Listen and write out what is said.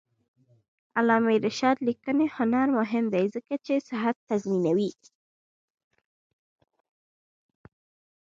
د علامه رشاد لیکنی هنر مهم دی ځکه چې صحت تضمینوي.